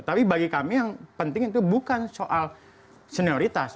tapi bagi kami yang penting itu bukan soal senioritas